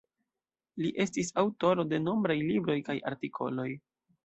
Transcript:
Li estis aŭtoro de nombraj libroj kaj artikoloj.